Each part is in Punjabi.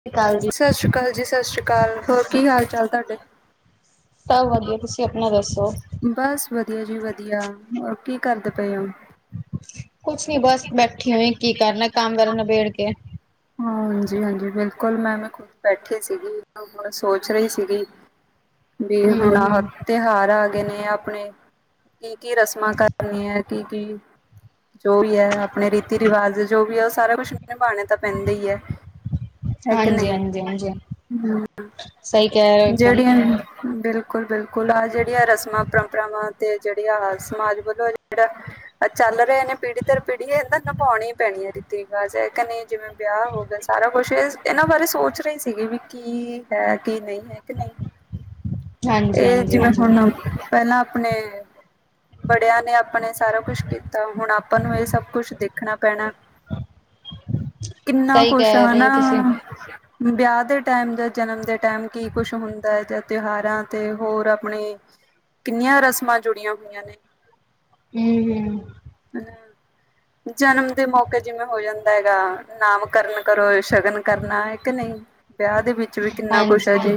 ਸਤਿ ਸ਼੍ਰੀ ਅਕਾਲ ਜੀ ਸਤਿ ਸ੍ਰੀ ਅਕਾਲ ਜੀ ਸਤਿ ਸ੍ਰੀ ਅਕਾਲ ਹੋਰ ਕੀ ਹਾਲ ਚਾਲ ਤਾਡੇ? ਸਭ ਵਧੀਆ ਤੁਸੀ ਆਪਣਾ ਦੱਸੋ। ਬਸ ਵਧੀਆ ਜੀ ਵਧੀਆ, ਹੋਰ ਕੀ ਕਰਦੇ ਪਏ ਓ? ਕੁਛ ਨੀ ਬਸ ਬੈਠੀ ਹੋਈ ਕੀ ਕਰਨਾ ਕੰਮ ਕਰਨ ਨਬੇੜ ਕੇ। ਹਾਂ ਹਾਂਜੀ ਹਾਂਜੀ ਬਿਲਕੁਲ, ਮੈਂ ਮੈਂ ਖੁਦ ਬੈਠੀ ਸੀਗੀ। ਸੋਚ ਰਈ ਸੀਗੀ ਬੀ ਹੁਨ ਆਹ ਹੂੰ-ਹੂੰ, ਤਿਉਹਾਰ ਆ ਗਏ ਨੇ ਅਪਣੇ ਕੀ ਕੀ ਰਸਮਾਂ ਕਰਨੀਆਂ ਐ ਕੀ ਜੋ ਵੀ ਹੈ ਅਪਣੇ ਰੀਤੀ ਰਿਵਾਜ ਜੋ ਵੀ ਐ ਓ ਸਾਰਾ ਕੁਛ ਨਿਭਾਣੇ ਤਾਂ ਪੈਂਦੈ ਈ ਐ। ਹੈ ਕੇ ਨਈ। ਹਾਂਜੀ-ਹਾਂਜੀ-ਹਾਂਜੀ ਹੂੰ, ਸਹੀ ਕਹਿ ਰਹੇ ਹੋ ਇੱਕਦਮ ਜੇੜੀਆਂ ਬਿਲਕੁਲ ਬਿਲਕੁਲ, ਆ ਜੇੜੀਆਂ ਰਸਮਾਂ ਪਰੰਪਰਾਵਾਂ ਤੇ ਜੇੜੀਆਂ ਸਮਾਜ ਵੱਲੋਂ ਜੇੜਾ। ਐ ਚਲ ਰੇ ਨੇ ਪੀੜੀ ਦਰ ਪੀੜੀ ਏ ਤਾ ਨਿਭਾਉਣੀ ਈ ਪੈਣੀ ਐ ਰੀਤੀ ਰਿਵਾਜ਼ ਹੈ ਕੇ ਨੀ। ਜਿਵੇਂ ਵੇਆ ਹੋ ਗੇਆ ਸਾਰਾ ਕੁੱਛ ਏ ਏਨਾਂ ਬਾਰੇ ਸੋਚ ਰਈ ਸੀਗੀ ਵੀ। ਕੀ ਹੈ ਕੀ ਨਈ ਹੈ ਕਿ ਨਈ। ਏ ਜਿਵੇਂ ਹਾਂਜੀ-ਹਾਂਜੀ-ਹਾਂਜੀ। ਹੁਨ ਪੇਲਾਂ ਅਪਣੇ ਵਡੇਆਂ ਨੇ ਅਪਣੇ ਸਾਰਾ ਕੁਛ ਕੀਤਾ ਹੁਨ ਆਪਾਂ ਨੂੰ ਏ ਸਭ ਕੁਛ ਦੇਖਣਾ ਪੈਣਾ। ਕਿੰਨਾ ਸਹੀ ਕੁਸ਼ ਕਹਿ ਰਹੇ ਹੋ ਹਨਾ। ਤੁਸੀਂ ਬੇਆ ਦੇ ਟੈਮ ਜਾਂ ਜਨਮ ਦੇ ਟੈਮ ਕੀ ਕੁਛ ਹੁੰਦਾ ਐ ਤੇ ਤੇਓਹਾਰਾਂ ਤੇ ਹੋਰ ਅਪਣੇ। ਕਿੰਨੀਆਂ ਰਸਮਾਂ ਜੁੜੀਆਂ ਹੋਈਆਂ ਨੇ। ਹੂੰ ਹੂੰ। [unintelligible] ਜਨਮ ਦੇ ਮੌਕੇ ਜਿਵੇਂ ਹੋ ਜਾਂਦਾ ਹੈਗਾ ਨਾਮਕਰਨ ਕਰੋ ਸ਼ਗਨ ਕਰਨਾ ਐ ਕਿ ਨਈ। ਵੇਆਹ ਦੇ ਵਿੱ ਚ ਵੀ ਕਿੰਨਾ ਕੁਛ ਐ ਹਾਂਜੀ। ਜੀ।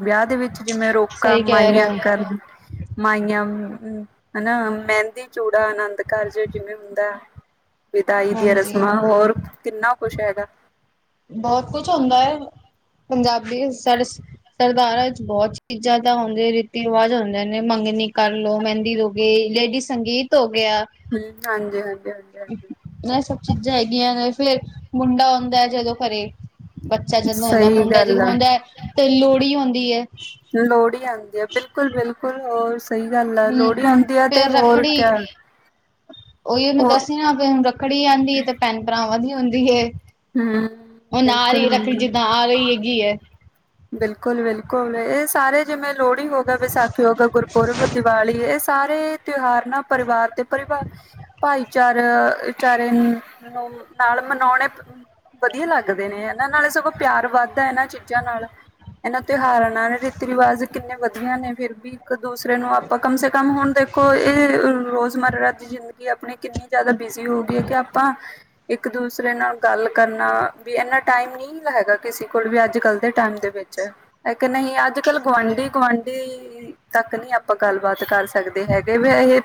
ਵਿਆ ਦੇ ਵਿੱਚ ਜਿਵੇਂ ਰੋਕਾ ਸਹੀ ਕਹਿ ਰਹੇ ਮਾਈਆਂ ਹੋ ਕਰਨ। ਮਾਈਆਂ ਹਨਾ ਮੈਂਦੀ, ਚੂੜਾ, ਅਨੰਦ ਕਾਰਜ ਜਿਵੇਂ ਹੁੰਦਾ ਐ। ਵਿਦਾਈ ਦੀਆਂ ਹਾਂਜੀ ਰਸਮਾਂ ਹੋਰ ਕਿੰਨਾ ਕੁਸ਼ ਹੈਗਾ। ਬੋਤ ਕੁਛ ਹੁੰਦਾ ਏ। ਪੰਜਾਬੀ ਸਾਡੇ ਸਰਦਾਰਾਂ ਚ ਬੋਤ ਚੀਜ਼ਾਂ ਤਾਂ ਹੁੰਦੀ ਰੀਤੀ ਰਿਵਾਜ ਹੁੰਦੇ ਨੇ, ਮੰਗਨੀ ਕਰ ਲੋ, ਮੈਂਦੀ ਰੋ [unintelligible] ਲੇਡੀ ਸੰਗੀਤ ਹੋ ਗਿਆ। ਹੂੰ, ਹਾਂਜੀ-ਹਾਂਜੀ -ਹਾਂਜੀ-ਹਾਂਜੀ। ਐ ਸਭ ਚੀਜ਼ਾਂ ਹੈਗੀਆਂ ਨੇ ਫੇਰ ਮੁੰਡਾ ਹੁੰਦਾ ਐ ਜਦੋਂ ਘਰੇ। ਬੱਚਾ ਜਦੋਂ ਹੁੰਦਾ ਸਹੀ ਮੁੰਡਾ ਗੱਲ ਜਦੋਂ ਆ ਹੁੰਦੈ ਤੇ ਲੋਅੜੀ ਹੁੰਦੀ ਐ। ਲੋਅੜੀ ਆਂਦੀ ਐ, ਬਿਲਕੁਲ-ਬਿਲਕੁਲ ਹੋਰ ਸ ਸਈ ਗੱਲ ਐ। ਹਮ ਲੋਅੜੀ ਹੁੰਦੀ ਐ ਤੇ ਫੇਰ ਹੋਰ ਰੱਖੜੀ ਕ, ਉਹੀ ਮੈਂ ਹੋਰ ਦੱਸਦੀ ਨਾ ਫਿਰ ਹੁਣ ਰੱਖੜੀ ਆਂਦੀ ਏ ਤੇ ਭੈਨ ਭਰਾਵਾਂ ਦੀ ਹੁੰਦੀ ਏ, ਹਮ ਹੁਨ ਆ ਰੀ ਬਿਲਕੁਲ ਰੱਖੜੀ ਜਿੱਦਾਂ ਆ ਗਈ ਏ ਗੀ ਏ। ਬਿਲਕੁਲ- ਬਿਲਕੁਲ। ਏ ਸਾਰੇ ਜਿਵੇਂ ਲੋਅੜੀ ਹੋ ਗਿਆ, ਵਿਸਾਖੀ ਹੋ ਗਿਆ, ਗੁਰਪੁਰਬ, ਦੀਵਾਲੀ ਏ ਸ ਸਾਰੇ ਤਿਉਹਾਰ ਨਾ ਪਰਿਵਾਰ ਤੇ, ਪਰਿਵਾਰ, ਭਾਈ ਚਾਰਾ, ਚਾਰੇ ਨੂੰ ਨਾਲ ਮਨੋਣੈ ਵਧੀਆ ਲੱਗਦੇ ਨੇ, ਐਨਾਂ ਨਾਲ ਸਗੋਂ ਪਿਆਰ ਵੱਧਦਾ ਐਨਾਂ ਚੀਜ਼ਾਂ ਨਾਲ। ਐਨਾਂ ਤਿਉਹਾਰਾਂ ਨਾਲ ਰੀਤੀ-ਰਿਵਾਜ ਕਿੰਨੇ ਵਧੀਆ ਨੇ ਫੇਰ ਵੀ ਇੱਕ ਦੂਸਰੇ ਨੂੰ ਆਪਾਂ ਕਮ ਸੇ ਕਮ ਹੁਣ ਦੇਖੋ ਏ ਰੋਜ਼ ਮਰਾਂ ਦੀ ਜਿੰਦਗੀ ਗੀ ਅਪਣੀ ਕਿੰਨੀ ਜਾਦਾ ਬਿਜ਼ੀ ਹੋ ਗਈ ਐ ਕਿ ਆਪਾਂ ਇੱਕ ਦੂਸਰੇ ਨਾਲ ਗੱਲ ਕਰਨਾ, ਵੀ ਐਨਾ ਟਾਈਮ ਨੀ ਹੈਗਾ ਕਿਸੀ ਕੋਲ ਵੀ ਅੱਜ- ਕੱਲ ਦੇ ਟਾਈਮ ਦੇ ਵਿੱਚ। ਇੱਕ ਨਈ ਅੱਜ ਕੱਲ੍ਹ ਗੁਆਂਢੀ- ਗੁਆਂਢੀ ਤੱਕ ਨੀ ਆਪਾਂ ਗੱਲਬਾਤ ਕਰ ਸਕਦੇ ਹੈਗੇ ਵੀ ਇਹ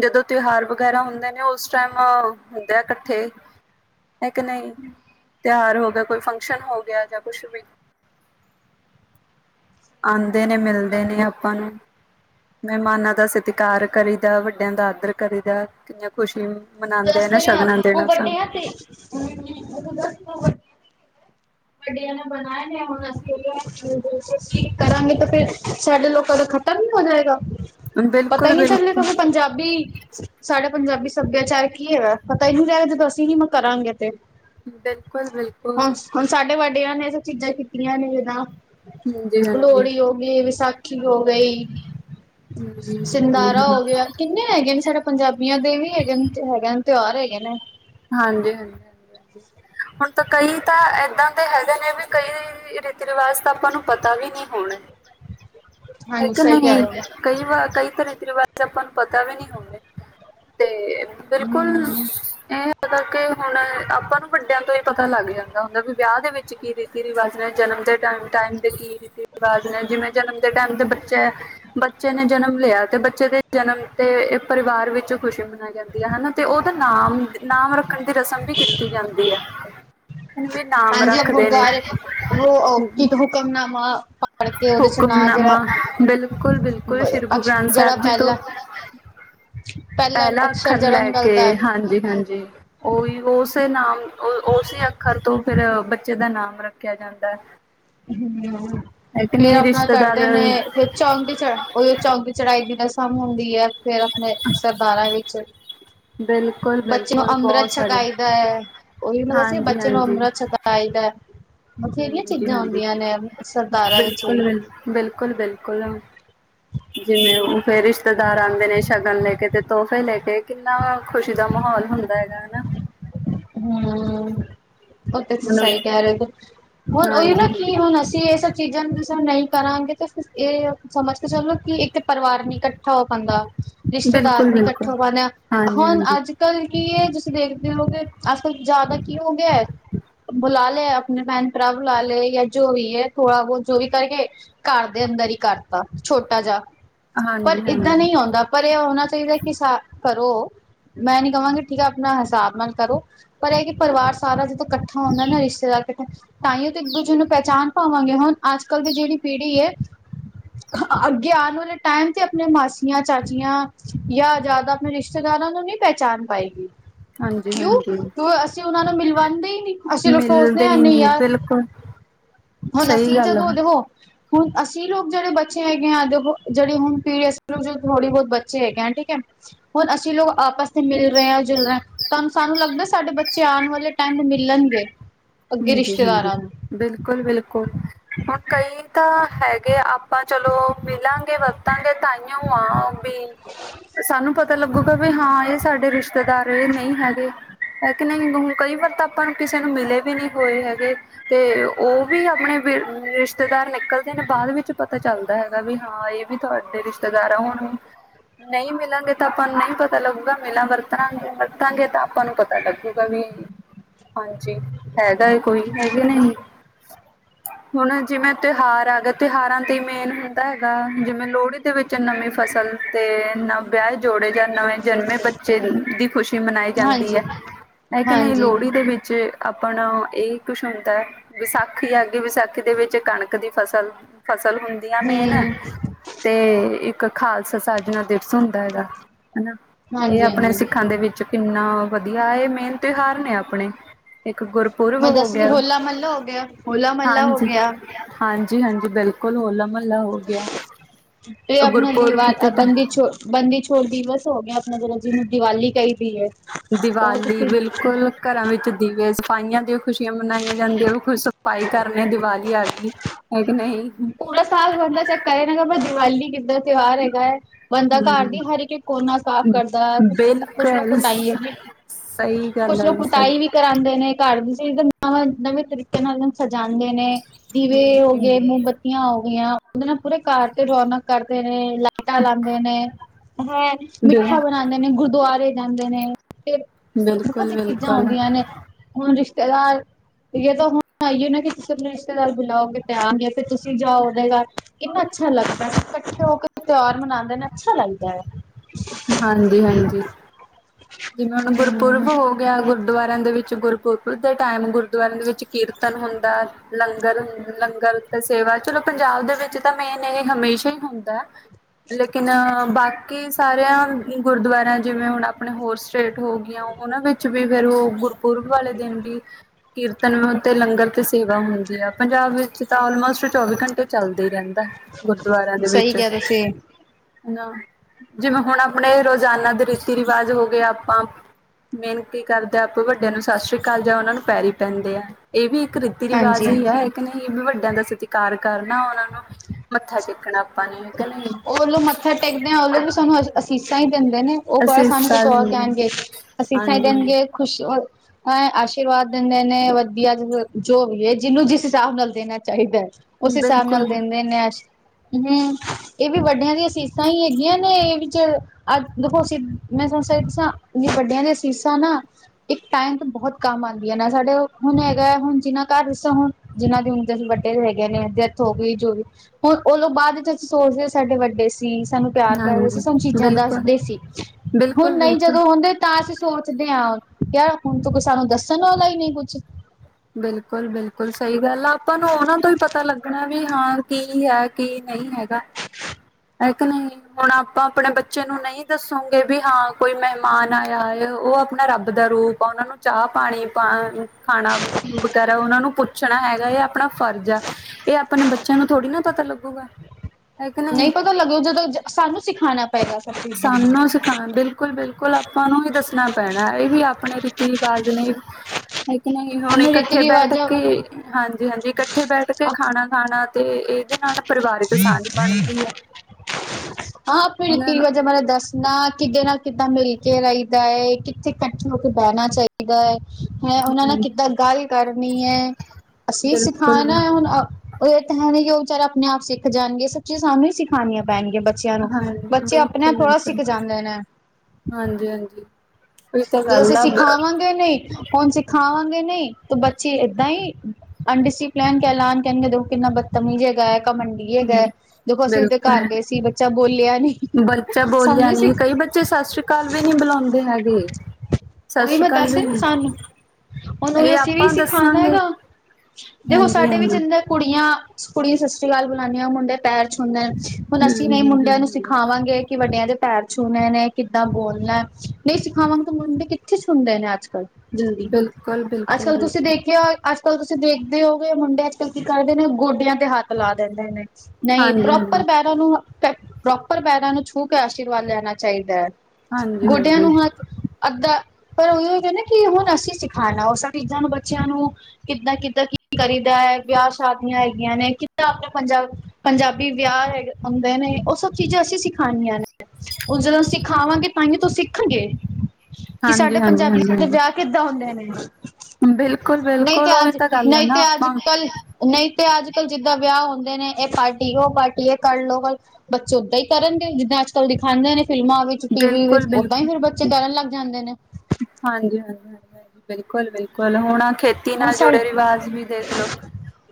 ਜਦੋਂ ਤਿਉਹਾਰ ਵਗੈਰਾ ਹੁੰਦੇ ਨੇ ਉਸ ਟਾਈਮ ਹੁੰਦੇ ਆ ਕੱਠੇ। ਏਕ ਨਈ ਤਿਉਹਾਰ ਹੋ ਗਿਆ, ਕੋਈ ਫੰਕਸ਼ਨ ਹੋ ਗਿਆ ਯਾਂ ਕੁਛ ਵੀ ਆਂਦੇ ਨੇ, ਮਿਲਦੇ ਨੇ ਆਪਾਂ ਨੂੰ, ਮਹਿਮਾਨਾਂ ਦਾ ਸਤਿਕਾਰ ਕਰੀ ਦਾ, ਵੱਡਿਆਂ ਦਾ ਆਦਰ ਕਰੀ ਦਾ ਕਿੰਨੀ ਖੁਸ਼ੀ ਮਿ ਮਨਾਂਦੇ ਐ ਨਾ ਸ਼ਗਨਾਂ ਦੇ ਨਾ ਸਾਨੂੰ। [unintelligible] ਵੱਡੀਆਂ ਨੇ ਬਣਾਏ ਨੇ ਹੁਣ ਅਸੀਂ [unintelligible] ਕਰਾਂਗੇ ਤਾਂ ਫਿਰ ਸਾਡੇ ਲੋਕਾਂ ਦੇ [unintelligible] ਨੀ ਹੋ ਜਾਏਗਾ। ਪਤਾ ਬਿਲਕੁਲ ਈ ਨੀ ਚਲਨਾ ਬਿਲਕੁਲ ਕਿਉਕਿ ਪੰਜਾਬੀ, ਸਾਡਾ ਪੰਜਾਬੀ ਸੱਭਿਆਚਾਰ ਕ ਕੀ ਹੈਗਾ? ਪਤਾ ਈ ਨੀ ਰਿਆ ਜਦੋਂ ਅਸੀਂ ਇਨੂੰ ਕਰਾਂਗੇ ਤੇ। ਬਿਲਕੁਲ- ਬਿਲਕੁਲ। ਹੁਣ ਹੁਣ ਸਾਡੇ ਵਡਿਆਂ ਨੇ ਏ ਸਬ ਚੀਜ਼ਾਂ ਕੀਤੀਆਂ ਨੇ ਨਾ ਹਾਂਜੀ ਹਾਂਜੀ ਲੋਅੜੀ ਹੋ ਗਈ, ਵਿਸਾਖੀ ਵਿਸਾਖੀ ਹੋ ਗਈ, ਹਮ ਸਿੰਦਾਰਾ ਹੋ ਗਿਆ। ਕਿੰਨੇ ਹੈਗੇ ਏਨ ਸਾਡੇ ਪੰਜਾਬੀਆਂ ਦੇ ਵੀ ਹੈਗੇ ਏਨ, ਤੇ ਹੈਗੇਨ ਤਿਉਹਾਰ ਹੈਗੇ ਨੇ। ਹਾਂਜੀ- ਹਾਂਜੀ-ਹਾਂਜੀ -ਹਾਂਜੀ। ਹੁਣ ਤਾਂ ਕਈ ਤਾਂ ਐਦਾਂ ਦੇ ਹੈਗੇ ਨੇ ਵੀ ਕਈ ਰੀਤੀ- ਰਿਵਾਜ ਤਾਂ ਆਪਾ ਨੂੰ ਪਤਾ ਵੀ ਨੀ ਹੋਣੈ। [inaudible] ਹੈ ਹਾਂਜੀ ਕੇ ਸਹੀ ਕਹਿ ਨਈ? ਰਹੇ ਹੋ ਕਈ ਵਾਰ, ਕਈ ਤਾਂ ਰੀਤੀ-ਰਿਵਾਜ ਆਪਾ ਨੂੰ ਪਤਾ ਵੀ ਨੀ ਹੋਣੇ। ਤੇ ਬਿਲਕੁਲ। ਹਮ ਸੁ ਐ ਕਿਉਂਕੇ ਹੁਣ ਆਪਾਂ ਨੂੰ ਵੱਡਿਆਂ ਤੋਂ ਈ ਪਤਾ ਲੱਗ ਜਾਂਦਾ ਹੁੰਦਾ ਵੀ ਵਿਆਂ ਦੇ ਵਿੱਚ ਕੀ ਰੀਤੀ- ਰਿਵਾਜ਼, ਜਨਮ ਦੇ ਟਾਈਮ-ਟਾਈਮ ਦੇ ਕੀ ਰੀਤੀ- ਰਿਵਾਜ਼ ਨੇ, ਜਿਵੇਂ ਜਨਮ ਦੇ ਟਾਈਮ ਦੇ ਬੱਚੇ ਬੱਚੇ ਨੇ ਜਨਮ ਲਿਆ ਤੇ ਬੱਚੇ ਦੇ ਜਨਮ ਤੇ ਪਰਿਵਾਰ ਵਿੱਚ ਖੁਸ਼ੀ ਮਨਾਈ ਜਾਂਦੀ ਏ, ਹਨਾ। ਤੇ ਓਦਾ ਨਾਮ ਦੇ ਨਾਮ ਰੱਖਣ ਦੀ ਰਸਮ ਵੀ ਕੀਤੀ ਜਾਂਦੀ ਐ। ਫੇਰ ਨਾਮ ਹਾਂਜੀ ਓ ਰੱਖਦੇ ਨੇ ਗੁਰਦੁਆਰੇ, ਓ-ਓ ਕੀ ਓ ਹੁਕਮਨਾਮਾ? ਪੜ ਕੇ ਉਹਦੇ ਚ ਨਾ ਜਿਹੜਾ ਹੁਕੁਮਨਾਮਾ ਬਿਲਕੁਲ- ਬਿਲਕੁਲ ਸ਼੍ਰੀ ਗੁਰੂ ਅਕਸ਼ ਗ੍ਰੰਥ ਜਿਹੜਾ ਸੈਬ ਜੀ ਤੋ ਪਹਿਲਾ ਪਹਿਲਾ ਅਕਸ਼ਰ ਅੱਖਰ ਜਿਹੜਾ ਲੈ ਕੇ, ਨਿਕਲਦਾ ਹੈ ਹਾਂਜੀ- ਹਾਂਜੀ ਓਹੀ ਓਸੇ ਨਾਮ ਓਸੇ ਅੱਖਰ ਤੋ ਫਿਰ ਬੱਚੇ ਦਾ ਨਾਮ ਰੱਖਿਆ ਜਾਂਦੈ। ਹੁੰ ਫੇ ਆਪਨਾ ਰਿਸ਼ਤੇਦਾਰ ਕਰਦੇ ਨੇ ਫੇਰ ਚੌਂਕੇ ਚੜ, ਉਈਓ ਚੌਂਕੇ ਚੜਾਈ ਦੀ ਰਸਮ ਹੁੰਦੀ ਐ। ਫੇਰ ਆਪਨੇ ਸਰਦਾਰਾਂ ਵਿੱਚ ਬਿਲਕੁਲ ਬੱਚੇ ਨੂੰ ਬਿਲਕੁਲ ਅੰਮ੍ਰਤ ਬਹੁਤ ਸਾਰੇ ਛਕਾਈਦੈ, ਓਹੀ ਮਲਬ ਸੀ ਹਾਂਜੀ ਬੱਚੇ ਨੂੰ ਹਾਂਜੀ ਅੰਮ੍ਰਤ ਛਕਾ ਆਈ ਦੈ ਬਥੇਰੀਆਂ ਹਮ ਜੀ ਚੀਜ਼ਾਂ ਹਾਂਜੀ ਆਂਦੀਆਂ ਨੇ ਸਰਦਾਰਾਂ ਵਿੱਚ ਵੀ‌। ਬਿਲਕੁਲ ਬਿਲ ਬਿਲਕੁਲ- ਬਿਲਕੁਲ ਜਿਵੇਂ ਫੇਰ ਰਿਸ਼ਤੇਦਾਰ ਆਂਦੇ ਨੇ ਸ਼ਗਨ ਲੈ ਕੇ ਤੇ ਤੋਫ਼ੇ ਲੈ ਕੇ, ਕਿੰਨਾ ਖ਼ੁਸ਼ੀ ਦਾ ਮਾਹੌਲ ਹੁੰਦਾ ਹੈਗਾ ਹਨਾ। ਹੁੰ, ਓ ਤੇ ਤੁਸਈ ਮਤਲਬ ਕੈ ਰੇ ਤੇ ਹੁਣ ਓਈ ਨਾ ਹਾਂਜੀ ਕੀ ਹੋਨਾ ਸੀ ਏਸ ਚੀਜਾਂ ਦੀ ਸੰਭਾਈ ਨਈ ਕਰਾਂਗੇ ਤੇ ਫੇ ਏ ਸਮਝ ਕੇ ਚਲੋ ਕਿ ਇੱਕ ਪਰਿਵਾਰ ਨੀ ਕੱਠਾ ਹੋ ਪਾਂਦਾ। ਰਿਸ਼ਤੇਦਾਰ ਬਿਲਕੁਲ ਨੀ ਬਿਲਕੁਲ ਕੱਠੇ ਹੋ ਪਾਨੇ ਹਾਂਜੀ ਹੁਨ ਅੱਜ- ਕੱਲ੍ਹ ਕੀ ਐ ਤੁਸੀ ਦੇਖਦੇ ਹੋਓਗੇ ਅਜਕਲ ਜਆਦਾ ਕੀ ਹੋ ਗਿਐ। ਬੁਲਾ ਲੇ ਆਪਨੇ ਭੈਨ ਭਰਾ ਬੁਲਾ ਲੇ ਯਾ ਜੋ ਵੀ ਐ ਥੋੜਾ ਬੌਤ ਜੋ ਵੀ ਕਰਕੇ ਘਰ ਦੇ ਅੰਦਰ ਈ ਕਰਤਾ ਛੋਟਾ ਜਾ ਪਰ ਹਾਂਜੀ ਹਾਂਜੀ ਏਦਾਂ ਹਾਂਜੀ ਨਈ ਆਉਂਦਾ। ਪਰ ਏ ਹੋਨਾ ਚਾਈਦਾ ਕਿ ਸਾ ਕਰੋ ਮੈਂ ਨਈ ਕਵਾਂਗੀ ਠੀਕ ਆ ਆਪਨਾ ਹਿਸਾਬ ਨਾਲ ਕਰੋ। ਪਰ ਐ ਕਿ ਪਰਿਵਾਰ ਸਾਰਾ ਜਦੋ ਕੱਠਾ ਹੁੰਦਾ ਨਾ ਰਿਸ਼ਤੇਦਾਰ ਕੱਠੇ ਤਾਂਈ ਤੇ ਇੱਕ ਦੂਜੇ ਨੂੰ ਪਹਿਚਾਣ ਪਾਵਾਂਗੇ ਹੁਣ ਅੱਜ ਕੱਲ੍ਹ ਦੀ ਜੇੜੀ ਪੀੜ੍ਹੀ ਏ ਅੱਗੇ ਆਨ ਵਾਲੇ ਟਾਈਮ ਤੇ ਆਪਨੀਆ ਮਾਸੀਆਂ, ਚਾਚੀਆਂ ਯਾ ਜਆਦਾ ਆਪਨੇ ਰਿਸ਼ਤੇਦਾਰਾਂ ਨੂੰ ਨਈ ਪਹਿਚਾਾਨ ਪਾਏਗੀ। ਹਾਂਜੀ- ਹਾਂਜੀ ਓ ਅਸੀ ਉਨਾਂ ਨੂੰ ਮਿਲਵਾਂਦੇ ਈ ਨੀ। ਅਸੀ ਲੋਕ ਸੋਚਦੇ ਮਿਲਦੇ ਆਂ ਹੀ ਨਈ ਨਹੀਂ ਯਾਰ ਬਿਲਕੁਲ ਹੁਨ ਸਹੀ ਅਸੀ ਗੱਲ ਆ। ਜਦੋ ਦਿਹੋ। ਹੁਨ ਅਸੀ ਲੋਕ ਜੇੜੇ ਬਚੇ ਹੇਗੇ ਆਂ ਦੇਖੋ ਜੇੜੀ ਹੁਨ ਪੀੜੀ ਏ [unintelligible] ਥੋੜੀ ਬੌਤ ਬੱਚੇ ਹੈਗੇ ਆਂ ਠੀਕ ਐ। ਹੁਨ ਅਸੀ ਲੋਕ ਆਪਸ ਤੇ ਮਿਲ ਰੇ ਆਂ ਜੁਲ ਰੇ ਆਂ ਤਾਨੂੰ ਸਾਨੂੰ ਲੱਗਦੈ। ਤਾਡੇ ਬੱਚੇ ਆਨ ਵਾਲੇ ਟੈਮ ਤੇ ਮਿਲਨਗੇ। ਹਾਂਜੀ- ਹਾਂਜੀ ਬਿਲਕੁਲ- ਬਿਲਕੁਲ। ਹੁਨ ਕਈ ਤਾਂ ਹੈਗੇ ਆਪਾਂ ਚਲੋ ਮਿਲਾਂਗੇ ਵਰਤਾਂਗੇ ਤਾਂਈਓ ਓ ਆ ਵੀ ਸਾਨੂੰ ਪਤਾ ਲੱਗੂਗਾ ਵੀ ਹਾਂ ਏ ਸਾਡੇ ਰਿਸ਼ਤੇਦਾਰ ਏ ਨਈ ਹੇਗੇ। ਐ ਕਿ ਨਈ ਹੁਨ ਕਈ ਵਾਰ ਤਾ ਆਪਾਂ ਨੂੰ ਕਿਸੇ ਨੂੰ ਮਿਲੇ ਵੀ ਨੀ। ਹੋਏ ਹੈਗੇ ਤੇ ਓ ਵੀ ਆਪਣੇ ਫਿਰ ਰਿਸ਼ਤੇਦਾਰ ਨਿਕਲਦੇ ਨੇ ਬਾਅਦ ਵਿੱਚ ਪਤਾ ਚੱਲਦਾ ਹੈਗਾ ਵੀ ਹਾਂ ਏ ਵੀ ਤੁਆਡੇ ਰਿਸ਼ਤੇਦਾਰ ਆ ਹੁਣ। ਨਈ ਮਿਲਾਂਗੇ ਤਾਂ ਆਪਾਂ ਨੂੰ ਨਈ ਪਤਾ ਲੱਗੁਗਾ ਮਿਲਾਂ ਵਰਤਾਂਗੇ ਵਰਤਾਂਗੇ ਤਾਂ ਆਪਾਂ ਨੂੰ ਪਤਾ ਲੱਗੂ। ਕਮੀ ਹਾਂਜੀ, ਹੈਗਾ ਏ ਕੋਈ, ਹੈਗੇ ਨੇ ਜੀ। [inaudible] ਹੁਣ ਜਿਵੇਂ ਤਿਹਾਰ ਆ ਗਏ ਤੇਹਾਰਾਂ ਤੇ ਈ ਮੈਨ ਹੁੰਦਾ ਹੈਗਾ ਜਿਵੇਂ ਲੋਹੜੀ ਦੇ ਵਿੱਚ ਨਵੀਂ ਫਸਲ ਤੇ ਨਵ ਵਿਆਏ ਜੋੜੇ ਜਾਂ ਨਵੇਂ ਜਨਮੇ ਬੱਚੇ ਦੀ ਦੀ ਖੁਸ਼ੀ ਮਨਾਈ ਜਾਂਦੀ ਐ ਹਾਂਜੀ ਐ ਕੇ ਨਈ ਹਾਂਜੀ ਲੋਹੜੀ ਦੇ ਵਿੱਚ ਆਪਣਾ ਏ ਕੁਛ ਹੁੰਦੈ ਵਿਸਾਖੀ ਆਗੀ ਵਿਸਾਖੀ ਦੇ ਵਿੱਚ ਕਣਕ ਦੀ ਫਸਲ ਫਸਲ ਹੁੰ ਦੀਆਂ ਮੇਨ ਹਮ ਤੇ ਇੱਕ ਖਾਲਸ ਸਾਜਨਾ ਦਿਵਸ ਹੁੰਦੈ ਏਦਾ ਹਨਾ। ਏ ਹਾਂਜੀ ਆਪਣੇ ਹਾਂਜੀ ਸਿੱਖਾਂ ਦੇ ਵਿੱਚ ਕਿੰਨਾ ਵਧੀਆ ਏ ਮੇਨ ਤਿਉਹਾਰ ਨੇ ਆਪਣੇ। ਗੁਰਪੁਰਵ ਮੈਂ ਹੋ ਦੱਸ ਗਿਆ, ਰਹੀ ਹੋਲਾ ਮਹੱਲਾ ਹੋ ਗਿਆ ਹੋਲਾ ਮਹੱਲਾ ਹੋ ਹਾਂਜੀ। ਗਿਆ ਹਾਂਜੀ ਹਾਂਜੀ ਬਿਲਕੁਲ ਹੋਲਾ ਮਹੱਲਾ ਹੋ ਗਿਆ, ਤੇ ਆਪਣਾ ਦੀਵਾ ਗੁਰਪੁਰਬ ਤੇ ਤਾਂ ਬੰਦੀ ਛੋ ਬੰਦੀ ਛੋੜ ਦਿਵਸ ਹੋ ਗਿਆ ਆਪਣਾ ਜਿਹਨੂੰ ਦੀਵਾਲੀ ਕਹੀਦੀ ਏ। ਦੀਵਾਲੀ ਬਿਲਕੁਲ। ਘਰਾਂ ਵਿੱਚ ਦੀਵੇ, ਸਫਾਈਆਂ ਦੀ ਖੁਸ਼ੀਆਂ ਮਨਾਈਆਂ ਜਾਂਦੀਆਂ, ਸਫ਼ਾਈ ਕਰਨੀ ਆ ਦੀਵਾਲੀ ਆ ਗਈ। ਹੈ ਕਿ ਨਹੀਂ। ਪੂਰਾ ਸਾਲ ਬੰਦਾ ਚਾਹੇ ਕਹੇ ਨਾ ਕਹੇ ਪਰ ਦੀਵਾਲੀ ਕਿੱਦਾਂ ਤਿਉਹਾਰ ਹੈਗਾ ਐ। ਬੰਦਾ ਘਰ ਹੂੰ। ਦੀ ਹਰ ਇੱਕ ਕੋਨਾ ਸਾਫ਼ ਕਰਦਾ, ਕੁਛਤਾ ਕੁਛ ਲੋਕ [inaudible] ਬਿਲਕੁਲ ਸਹੀ ਗੱਲ ਕੁਛ ਹੈ ਲੋਕ ਜੀ ਕੁਤਾਈ ਵੀ ਕਰਾਂਦੇ ਨੇ। ਘਰ ਦੀ ਸੀ ਨਵਾਂ ਨਵੇਂ ਤਰੀਕੇ ਨਾਲ ਸਜਾਂਦੇ ਨੇ, ਦੀਵੇ ਹੋ ਸਹੀ। ਗਏ ਬੱਤੀਆਂ ਹੋ ਗਈਆਂ, ਉਹਦੇ ਨਾਲ ਪੂਰੇ ਘਰ ਤੇ ਰੌਣਕ ਕਰਦੇ ਨੇ। ਲਾਈਟਾਂ ਲਾਂਦੇ ਨੇ, ਹੈ ਮਿੱਠਾ ਬਣਾਂਦੇ ਨੇ, ਗੁਰਦੁਆਰੇ ਜਾਂਦੇ ਨੇ ਤੇ ਬਹੁਤ ਬਿਲਕੁਲ ਹੀ ਚੀਜ਼ਾਂ ਬਿਲਕੁਲ ਹੁੰਦੀਆਂ ਨੇ। ਹੁਣ ਰਿਸ਼ਤੇਦਾਰ ਜਾਂ ਤਾਂ ਹੁਣ ਆਈਏ ਨਾ ਕਿ ਕਿਸੇ ਨੂੰ ਰਿਸ਼ਤੇਦਾਰ ਬੁਲਾਓ ਕਿਤੇ ਆਉਣਗੇ। ਤੇ ਤੁਸੀਂ ਜਾਓ ਉਹਦੇ ਘਰ, ਕਿੰਨਾ ਅੱਛਾ ਲੱਗਦਾ ਇਕੱਠੇ ਹੋ ਕੇ ਤਿਉਹਾਰ ਮਨਾਂਦੇ ਨੇ ਅੱਛਾ ਲੱਗਦਾ ਐ। ਹਾਂਜੀ ਹਾਂਜੀ, ਜਿਵੇਂ ਹੁਣ ਗੁਰਪੁਰਬ ਹੂੰ, ਹੋ ਗਿਆ ਗੁਰਦੁਆਰਿਆਂ ਦੇ ਵਿੱਚ ਗੁਰੁਪੂਰਬ ਦੇ ਟਾਈਮ ਗੁਰਦੁਆਰਿਆਂ ਦੇ ਵਿੱਚ ਕੀਰਤਨ ਹੁੰਦਾ। ਲੰਗਰ ਲੰਗਰ ਤੇ ਸੇਵਾ ਚਲੋ ਪੰਜਾਬ ਦੇ ਵਿੱਚ ਤਾਂ ਮੇਨ ਇਹ ਹਮੇਸ਼ਾ ਹੀ ਹੁੰਦਾ। ਲੇਕਿਨ ਬਾਕੀ ਸਾਰਿਆਂ ਗੁਰਦੁਆਰਿਆਂ ਜਿਵੇਂ ਹੁਣ ਆਪਣੇ ਹੋਸ ਸੇਟ ਹੋ ਗਈਆਂ, ਉਹਨਾਂ ਵਿੱਚ ਵੀ ਫਿਰ ਉਹ ਗੁਰਪੁਰਬ ਵਾਲੇ ਦਿਨ ਵੀ ਕੀਰਤਨ ਤੇ ਲੰਗਰ ਤੇ ਸੇਵਾ ਹੁੰਦੀ ਆ, ਪੰਜਾਬ ਵਿੱਚ ਤਾਂ ਆਲਮੋਸਟ ਚੌਵੀ ਘੰਟੇ ਚੱਲਦਾ ਹੀ ਰਹਿੰਦਾ ਗੁਰਦੁਆਰਿਆਂ ਦੇ ਸਹੀ ਵਿੱਚ। ਕਿਹਾ ਤੁਸੀਂ ਹਨਾ, ਜਿਵੇਂ ਹੁਣ ਆਪਣੇ ਰੋਜ਼ਾਨਾ ਦੇ ਰੀਤੀ ਰਿਵਾਜ ਹੋ ਗਏ ਆਪਾਂ ਮੇਨ ਕੀ ਕਰਦਾ ਆਪਾਂ ਵੱਡਿਆਂ ਨੂੰ ਸਸ ਸੀ ਕਾਲ ਜਾਂ ਉਹ ਨੂੰ ਪੈਰੀ ਪੈਂਦੇ ਆ ਇਹ ਵੀ ਇੱਕ ਰੀਤੀ ਰਿਵਾਜ ਹਾਂਜੀ। ਹੀ ਆ, ਹੈ ਕਿ ਨਹੀਂ ਵੀ ਵੱਡਿਆਂ ਦਾ ਸਤਿਕਾਰ ਕਰਨਾ ਉਹਨਾਂ ਨੂੰ ਮੱਥਾ ਟੇਕਣਾ ਆਪਾਂ ਨੇ। ਕਿ ਨਹੀਂ। ਉਹ ਲੋਕ ਮੱਥਾ ਟੇਕਦੇ ਆ, ਉਹ ਲੋਕ ਵੀ ਸਾਨੂੰ ਅਸੀਸਾਂ ਹੀ ਦਿੰਦੇ ਨੇ। ਉਹ ਕਿਹੜਾ ਅਸੀਂ ਸਾਨੂੰ ਹਿੱਸਾ ਕੁਛ ਹੋਰ ਦਿੰਦੇ ਕਹਿਣਗੇ, ਅਸੀਸਾਂ ਹੀ ਹਾਂਜੀ ਦੇਣਗੇ ਖੁਸ਼ ਹੈ ਆਸ਼ੀਰਵਾਦ ਦਿੰਦੇ ਨੇ, ਵਧੀਆ ਜੋ ਵੀ ਐ ਜਿਹਨੂੰ ਜਿਸ ਹਿਸਾਬ ਨਾਲ ਦੇਣਾ ਚਾਹੀਦਾ। ਉਸ ਹਿਸਾਬ ਬਿਲਕੁਲ ਨਾਲ ਦਿੰਦੇ ਨੇ ਅਸ਼ ਹੂੰ। ਇਹ ਵੀ ਵੱਡਿਆਂ ਦੀਆਂ ਅਸੀਸਾਂ ਹੀ ਹੈਗੀਆਂ ਨੇ ਇਹ ਵਿੱਚ ਅੱਜ ਦੇਖੋ ਅਸੀਂ ਮੈ ਥੋਨੂੰ ਸਹੀ ਦੱਸਾਂ ਜੋ ਵੱਡਿਆਂ ਦੀਆਂ ਅਸੀਸਾਂ ਨਾ ਇੱਕ ਟਾਈਮ ਤੋਂ ਬਹੁਤ ਕੰਮ ਆਦੀ ਏ ਨਾ ਸਾਡੇ ਹੁਣ ਹੈਗਾ ਹੁਣ ਜਿਨਾ ਘਰ ਦੱਸੋ ਹੁਣ ਜਿਹਨਾਂ ਦੀ ਹੁਣ ਤੇ ਅਸੀ ਵੱਡੇ ਹੈਗੇ ਨੇ, ਡੈਥ ਹੋ ਗਈ ਜੋ ਵੀ, ਹੁਣ ਓ ਲੋਕ ਬਾਅਦ ਚ ਸੋਚਦੇ ਸਾਡੇ ਵੱਡੇ ਸੀ, ਸਾਨੂੰ ਪਿਆਰ ਕਰਦੇ ਸੀ, ਹਾਂਜੀ ਸਾਨੂੰ ਚੀਜ਼ਾਂ ਬਿਲਕੁਲ ਦੱਸਦੇ ਸੀ, ਬਿਲਕੁਲ ਹੁਣ ਨਹੀਂ ਬਿਲਕੁਲ ਜਦੋਂ ਹੁੰਦੇ ਤਾਂ ਅਸੀਂ ਸੋਚਦੇ ਆ, ਯਾਰ ਹੁਣ ਤੂੰ ਸਾਨੂੰ ਦੱਸਣ ਵਾਲਾ ਹੀ ਨਹੀਂ ਕੁਛ। ਬਿਲਕੁਲ ਬਿਲਕੁਲ ਸਹੀ ਗੱਲ ਆ, ਆਪਾਂ ਨੂੰ ਉਹਨਾਂ ਤੋਂ ਹੀ ਪਤਾ ਲੱਗਣਾ ਵੀ ਹਾਂ ਕੀ ਆ ਕੀ ਨਹੀਂ ਹੈਗਾ, ਹੈ ਕਿ ਨਹੀਂ। ਹੁਣ ਆਪਾਂ ਆਪਣੇ ਬੱਚੇ ਨੂੰ ਨਹੀਂ ਦੱਸੂਗੇ ਵੀ ਹਾਂ ਕੋਈ ਮਹਿਮਾਨ ਆਇਆ ਏ, ਉਹ ਆਪਣਾ ਰੱਬ ਦਾ ਰੂਪ - ਆਪਾਂ ਉਹਨਾਂ ਨੂੰ ਚਾਹ ਪਾਣੀ, ਪਾ ਖਾਣਾ ਵਗੈਰਾ ਉਹਨਾਂ ਨੂੰ ਪੁੱਛਣਾ ਹੈਗਾ ਐ ਆਪਣਾ ਫਰਜ਼ ਆ। ਇਹ ਆਪਣੇ ਬੱਚਿਆਂ ਨੂੰ ਥੋੜ੍ਹੀ ਨਾ ਪਤਾ ਲੱਗੂਗਾ। ਹੈ ਕਿ ਨਹੀਂ ਪਤਾ ਲੱਗੂ ਜਦੋਂ ਸਾਨੂੰ ਸਿਖਾਣਾ ਪਏਗਾ ਸਮਝੋ। ਸਾਨੂੰ ਹਾਂ ਬਿਲਕੁਲ ਬਿਲਕੁਲ ਆਪਾਂ ਨੂੰ ਹੀ ਦੱਸਣਾ ਪੈਣਾ ਏ ਵੀ ਆਪਣੇ ਰੀਤੀ ਰਿਵਾਜ਼ ਨੇ। ਇੱਕ ਨਹੀਂ ਹੁਣ ਸਾਨੂੰ ਰੀਤੀ ਇਕੱਠੇ ਬੈਠ ਰਿਵਾਜਾਂ ਕੇ ਹਾਂਜੀ ਹਾਂਜੀ ਇਕੱਠੇ ਬੈਠ ਕੇ ਖਾਣਾ ਖਾਣਾ। ਤੇ, ਇਹਦੇ ਨਾਲ। ਪਰਿਵਾਰਿਕ ਸਾਂਝ ਬਣਦੀ ਆ ਹਾਂ ਪੀੜ ਕਿ ਵਜੇ ਮਰੇ ਦਸ [unintelligible] ਨਾ ਕਿੱਦੇ, ਨਾਲ ਕਿੱਦਾਂ ਮਿਲ ਕੇ ਰਹੀਦਾ ਏ। ਕਿੱਥੇ ਇਕੱਠੇ ਹੋ ਕੇ ਬਹਿਣਾ ਚਾਹੀਦਾ। ਹੈ ਉਹਨਾਂ ਨਾਲ ਕਿੱਦਾਂ ਗੱਲ ਕਰਨੀ ਏ। ਅਸੀਂ ਸਿਖਾਣਾ ਬਿਲਕੁਲ ਹੁਣ। ਇਹ ਤਾਂ ਹੈ, ਨੀ ਉਹ ਵਿਚਾਰੇ ਆਪਣੇ ਆਪ ਸਿੱਖ ਜਾਣਗੇ, ਸਭ ਚੀਜ਼ਾਂ ਸਾਨੂੰ ਹੀ ਸਿਖਉਣੀਆਂ ਪੈਣਗੀਆਂ। ਬੱਚਿਆਂ ਨੂੰ, ਹਾਂ ਬੱਚੇ ਆਪਣੇ ਆਪ ਥੋੜ੍ਹਾ ਸਿੱਖ ਜਾਂਦੇ ਨੇ। ਹਾਂਜੀ, ਹਾਂਜੀ ਜਦੋਂ ਅਸੀਂ ਸਿਖਾਵਾਂਗੇ ਨਹੀਂ, ਹੁਣ ਸਿਖਾਵਾਂਗੇ ਨਹੀਂ, ਤਾਂ ਬੱਚੇ ਏਦਾਂ ਹੀ। ਅਨਡਿਸੀਪੇਲੇਨ ਕਲਾਨਗੇ, ਕਹਿਣ ਗੇ ਕਿੰਨਾ ਬਦਤਮੀ ਹੈਗਾ। ਘਮੰਡੀ ਗਏ ਦੇਖੋ, ਅਸੀਂ ਉਹਦੇ ਘਰ ਬਿਲਕੁਲ। ਗਏ ਸੀ ਬੱਚਾ ਬੋਲਿਆ ਨੀ। ਸਾਨੂੰ ਸਿੱਖ ਕੱਲ ਵੀ ਨਹੀ ਬੁਲਾਉਂਦੇ ਹੈਗੇ। ਸਤਿ ਉਹੀ ਸ੍ਰੀ ਮੈਂ ਅਕਾਲ ਦੱਸ ਵੀ ਨੀ ਸਾਨੂੰ- ਉਹਨੂੰ ਵੀ ਇਹ ਅਸੀਂ ਵੀ ਆਪਾਂ ਸਿਖਾਣਾ ਦੱਸਾਂਗੇ ਹੈਗਾ। ਦੇਖੋ ਸਾਡੇ ਵਿੱਚ ਹਾਂਜੀ-ਹਾਂਜੀ। ਅੰਦਰ। ਕੁੜੀਆਂ, ਕੁੜੀਆਂ ਸ਼ਸ਼ੀ ਅਕਾਲ ਬੁਲਾਦਿਆਂ, ਮੁੰਡੇ ਪੈਰ ਛੂਹਦੇ। ਹੁਣ ਅਸੀਂ ਨਹੀਂ ਮੁੰਡਿਆਂ ਨੂੰ ਹੂੰ-ਹੂੰ-ਹੂੰ-ਹੂੰ ਸਿਖਾਵਾਂਗੇ, ਕਿ ਵੱਡਿਆਂ ਦੇ ਪੈਰ ਛੂਹਣੇ ਨੇ, ਕਿੱਦਾਂ ਬੋਲਣਾ। ਨਹੀਂ ਸਿਖਾਵਾਂਗੇ ਮੁੰਡੇ ਕਿੱਥੇ ਸੁਣਦੇ ਨੇ ਅੱਜ ਕੱਲ ਜਲਦੀ, ਅੱਜ ਕੱਲ ਤੁਸੀਂ ਬਿਲਕੁਲ-ਬਿਲਕੁਲ-ਬਿਲਕੁਲ। ਦੇਖਿਆ। ਅੱਜ ਕੱਲ੍ਹ ਤੁਸੀਂ ਦੇਖਦੇ ਹੋਗੇ, ਮੁੰਡੇ ਅੱਜ ਕੱਲ ਕੀ ਕਰਦੇ ਨੇ ਗੋਡਿਆਂ ਤੇ ਹੱਥ ਲਾ ਦਿੰਦੇ ਨੇ। ਨਹੀਂ, ਹਾਂਜੀ-ਹਾਂਜੀ, ਪ੍ਰੋਪਰ ਪੈਰਾਂ ਨੂੰ। ਪ੍ਰੋਪਰ ਪੈਰਾਂ ਨੂੰ ਛੂਹ ਕੇ, ਆਸ਼ੀਰਵਾਦ ਲੈਣਾ ਚਾਹੀਦਾ ਹੈ। ਹਾਂਜੀ, ਗੋਡਿਆਂ ਹਾਂਜੀ ਨੂੰ ਅੱਧਾ, ਪਰ ਉਯੋ ਕਹਿੰਨੇ, ਕਿ ਹੁਣ ਅਸੀਂ ਸਿਖਾਉਣਾ, ਉਹ ਸ ਚੀਜ਼ਾਂ ਨੂੰ, ਬੱਚਿਆਂ ਨੂੰ ਕਿੱਦਾਂ, ਕਿੱਦਾਂ ਕੀ ਕਰੀਦਾ ਹੈ, ਵਿਆਹ ਸ਼ਾਦੀਆਂ ਹੈਗੀਆਂ ਨੇ, ਕਿੱਦਾਂ ਆਪਣਾ ਪੰਜਾ ਪੰਜਾਬੀ ਵਿਆਹ ਹੈਗੇ ਹੁੰਦੇ ਨੇ, ਉਹ ਸਭ ਚੀਜ਼ਾਂ ਅਸੀਂ ਸਿੱਖ ਖਾਣੀਆਂ ਨੇ, ਉਹ ਜਦੋਂ ਸਿਖਾਵਾਂਗੇ, ਤਾਂ ਹੀ ਉਹ ਸਿੱਖਣਗੇ। ਕਿ ਸਾਡੇ ਪੰਜਾਬੀਆਂ ਦੇ, ਹਾਂਜੀ-ਹਾਂਜੀ-ਹਾਂਜੀ-ਹਾਂਜੀ ਵਿਆਹ ਕਿੱਦਾਂ ਹੁੰਦੇ ਨੇ। ਬਿਲਕੁਲ ਬਿ- ਨਹੀਂ ਤੇ ਅੱਜ, ਨਹੀਂ ਤੇ ਅੱਜ ਕੱਲ੍ਹ ਨਹੀਂ ਤੇ ਅੱਜ ਕੱਲ੍ਹ, ਜਿੱਦਾਂ ਵਿਆਹ ਹੁੰਦੇ ਨੇ, ਇਹ ਪਾਰਟੀ, ਉਹ ਪਾਰਟੀ, ਇਹ ਕਰ ਲਓ ਬੱਸ ਬੱਚੇ ਓਦਾਂ ਹੀ ਕਰਨਗੇ, ਜਿੱਦਾਂ ਅੱਜ ਕੱਲ੍ਹ ਦਿਖਾਂਦੇ ਨੇ, ਫ਼ਿਲਮਾਂ ਵਿੱਚ, ਟੀਵੀ ਵਿੱਚ, ਉਦਾਂ ਫੇਰ ਬੱਚੇ ਬਿਲਕੁਲ-ਬਿਲਕੁਲ ਕਰਨ ਲੱਗ ਜਾਂਦੇ ਨੇ। ਹਾਂਜੀ, ਹਾਂਜੀ, ਹਾਂਜੀ, ਹਾਂਜੀ ਬਿਲਕੁਲ, ਬਿਲਕੁਲ ਹੁਣ ਖੇਤੀ ਖੇਤੀ ਬਹੁਤ ਨਾਲ ਸਾਰੇ ਜੁੜੇ, ਰਿਵਾਜ਼ ਵੀ ਦੇਖਲੋ।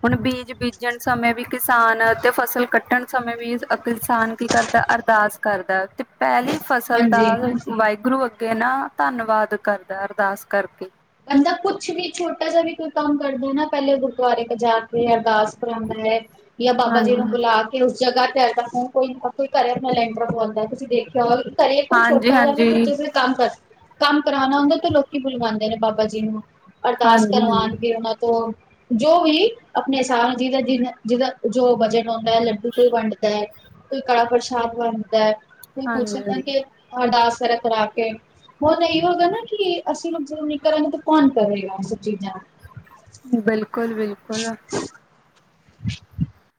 ਹੁਣ ਬੀਜ ਬੀਜਣ ਸਮੇਂ ਵੀ ਕਿਸਾਨ, ਅਤੇ ਫਸਲ ਕੱਟਣ ਸਮੇਂ ਵੀ ਕਿਸਾਨ ਕੀ ਕਰਦਾ, ਤੇ ਅਰਦਾਸ ਕਰਦਾ, ਪਹਿਲੀ ਫਸਲ ਦਾ ਹਾਂਜੀ ਵਾਹਿਗੁਰੂ ਅੱਗੇ ਨਾ ਧੰਨਵਾਦ ਕਰਦਾ, ਅਰਦਾਸ ਕਰਕੇ। ਐਦਾਂ ਕੁਛ ਵੀ ਛੋਟਾ ਜਿਹਾ ਵੀ ਕੋਈ ਕੰਮ ਕਰਦੇ ਹਾ, ਪਹਿਲੇ ਗੁਰਦੁਆਰੇ ਜਾ ਕੇ ਅਰਦਾਸ ਕਰਾਉਂਦਾ ਹੈ। ਯਾ ਬਾਬਾ ਜੀ ਹਾਂਜੀ ਨੂੰ ਬੁਲਾ ਕੇ ਉਸ ਜਗ੍ਹਾ ਤੇ ਕੋਈ ਨਾ ਕੋਈ ਘਰੇ ਲੈਂਟਰ ਪਾਉਂਦਾ, ਤੁਸੀਂ ਦੇਖਿਆ ਹੋ ਘਰੇ ਕੋਈ, ਹਾਂਜੀ ਛੋਟਾ ਜਹਾ ਵੀ ਹਾਂਜੀ ਕੁਛ ਕੰਮ ਕਰ ਕੰਮ ਕਰਾਉਣਾ ਹੁੰਦਾ, ਤੇ ਲੋਕੀ ਬੁਲਵਾਉਂਦੇ ਨੇ ਬਾਬਾ ਜੀ ਨੂੰ। ਅਰਦਾਸ ਹਾਂਜੀ ਕਰਵਾਉਣਗੇ। ਉਹਨਾਂ ਤੋਂ ਜੋ ਵੀ ਆਪਣੇ ਹਿਸਾਬ ਜਿਹਦਾ, ਜਿ ਜਿਹਦਾ ਜੋ ਜਿਦਾ ਬਜ਼ਟ ਹੁੰਦਾ, ਲੱਡੂ ਕੋਈ ਵੰਡਦਾ। ਕੋਈ ਕੜਾ ਪ੍ਰਸ਼ਾਦ ਬਣਦਾ। ਕੋਈ ਪੁੱਛੇ ਹਾਂਜੀ ਤਾਂ, ਕਿ ਹਾਂਜੀ ਅਰਦਾਸ ਕਰ ਕਰਾ ਕੇ, ਬਹੁਤਾਂ ਇਹੀ ਹੋਗਾ ਨਾ। ਕਿ ਅਸੀਂ ਹੁਣ ਨੀ ਕਰਾਂਗੇ, ਤਾਂ ਕੌਣ ਕਰੇਗਾ ਇਹ ਸਭ ਚੀਜ਼ਾਂ। ਬਿਲਕੁਲ-ਬਿਲਕੁਲ।